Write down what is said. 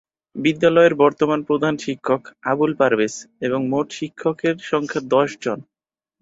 বিদ্যালয়ের বর্তমান প্রধান শিক্ষক আবুল পারভেজ এবং মোট শিক্ষকের সংখ্যা দশ জন।